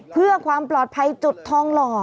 เพื่อความปลอดภัยจุดทองหล่อ